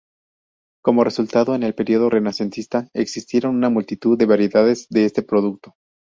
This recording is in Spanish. Como resultado, en el período renacentista existieron una multitud de variedades de este producto.